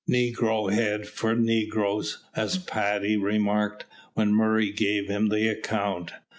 "Negro head for negroes," as Paddy remarked, when Murray gave him the account.